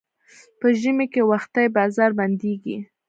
په ژمي کې وختي بازار بندېږي.